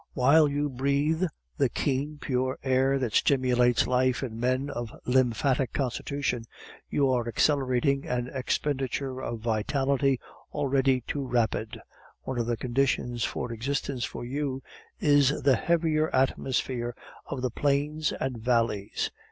While you breath the keen, pure air that stimulates life in men of lymphatic constitution, you are accelerating an expenditure of vitality already too rapid. One of the conditions for existence for you is the heavier atmosphere of the plains and valleys.